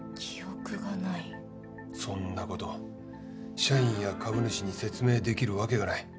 そんなこと社員や株主に説明できるわけがない。